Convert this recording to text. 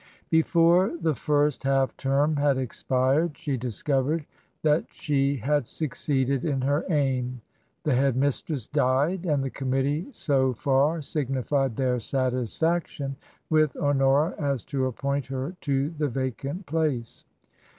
Before the first half term had expired she discovered that she had succeeded in her aim. The Head mistress died, and the Committee so far signified their satisfaction with Honora as to appoint her to the vacant place.